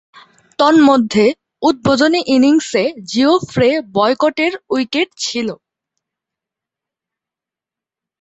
তন্মধ্যে, উদ্বোধনী ইনিংসে জিওফ্রে বয়কটের উইকেট ছিল।